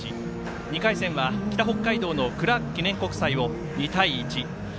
２回戦は北北海道のクラーク国際を２対１。